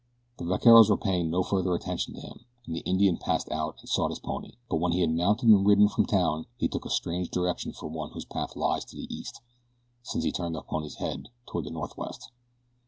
The vaqueros were paying no further attention to him, and the Indian passed out and sought his pony; but when he had mounted and ridden from town he took a strange direction for one whose path lies to the east, since he turned his pony's head toward the northwest.